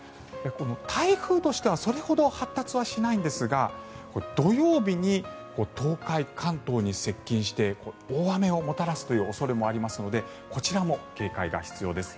台風としてはそれほど発達しないんですが土曜日に東海、関東に接近して大雨をもたらすという恐れもありますのでこちらも警戒が必要です。